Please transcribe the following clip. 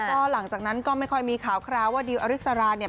ก็หลังจากนั้นก็ไม่ค่อยมีข่าวคราวว่าดิวอริสราเนี่ย